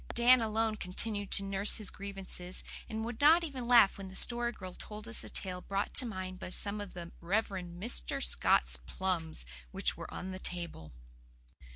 Dan alone continued to nurse his grievances, and would not even laugh when the Story Girl told us a tale brought to mind by some of the "Rev. Mr. Scott's plums" which were on the table.